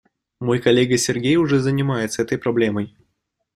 Мой коллега Сергей уже занимается этой проблемой.